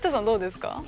どうですか？